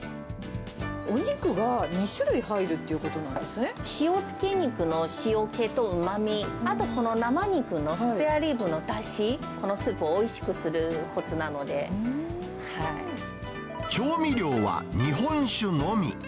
お肉が２種類、入るっていう塩漬け肉の塩気とうまみ、あと、その生肉のスペアリブのだし、このスープをおいしくするコ調味料は日本酒のみ。